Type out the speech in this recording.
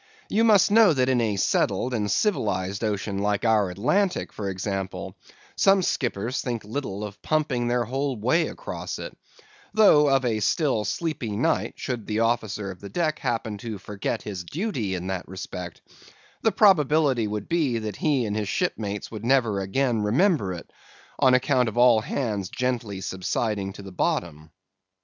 You must know that in a settled and civilized ocean like our Atlantic, for example, some skippers think little of pumping their whole way across it; though of a still, sleepy night, should the officer of the deck happen to forget his duty in that respect, the probability would be that he and his shipmates would never again remember it, on account of all hands gently subsiding to the bottom.